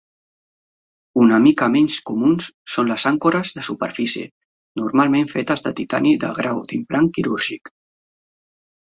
Una mica menys comuns són les àncores de superfície, normalment fetes de titani de grau d'implant quirúrgic.